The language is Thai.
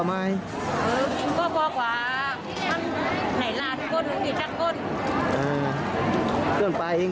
ต้านอันนี้หรือลูบได้เลย